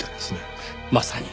まさに！